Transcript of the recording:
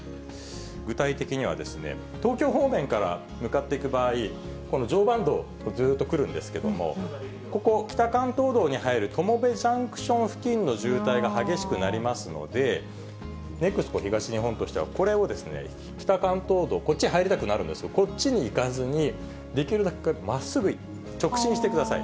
具体的には、東京方面から向かっていく場合、この常磐道をずっと来るんですけども、ここ、北関東道に入る友部ジャンクション付近の渋滞が激しくなりますので、ＮＥＸＣＯ東日本としては、これを北関東道、こっち入りたくなるんですけど、こっちに行かずに、できるだけまっすぐ直進してください。